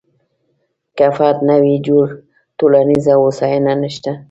که فرد نه وي جوړ، ټولنیزه هوساینه نشته.